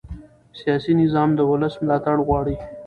سیاسي نظام د ولس ملاتړ غواړي